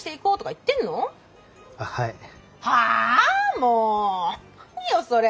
もう何よそれ。